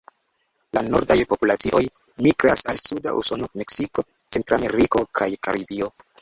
La nordaj populacioj migras al suda Usono, Meksiko, Centrameriko kaj Karibio.